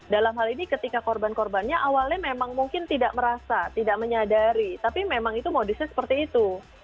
dalam hal ini ketika korban korbannya awalnya memang mungkin tidak merasa tidak menyadari tapi memang itu modusnya seperti itu